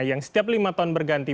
yang setiap lima tahun berganti